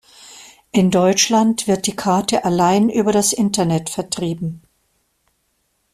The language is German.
In Deutschland wird die Karte allein über das Internet vertrieben.